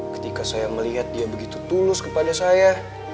ketika saya melihat dia begitu tulus kepada saya